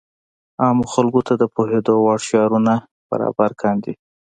عامو خلکو ته د پوهېدو وړ شعارونه برابر کاندي.